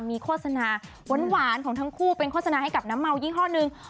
มีโฆษณาหวานของทั้งคู่เป็นโฆษณาให้กับน้ำเมายี่ห้อหนึ่ง